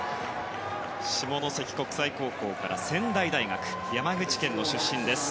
下関国際高校から仙台大学山口県の出身です。